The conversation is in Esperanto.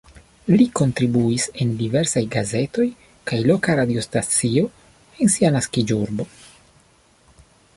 Li kontribuis en diversaj gazetoj kaj loka radiostacio en sia naskiĝurbo.